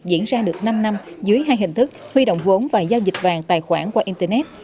diễn ra được năm năm dưới hai hình thức huy động vốn và giao dịch vàng tài khoản qua internet